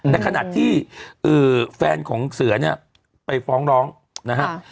ในขณะที่แฟนของเสือเนี่ยไปฟ้องร้องนะครับ